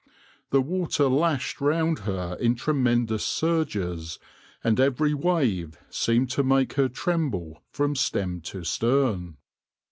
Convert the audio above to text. The water lashed round her in tremendous surges, and every wave seemed to make her tremble from stem to stern.